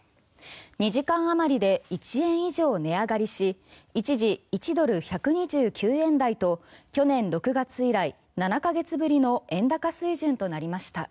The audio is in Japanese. ２時間あまりで１円以上値上がりし一時、１ドル＝１２９円台と去年６月以来７か月ぶりの円高水準となりました。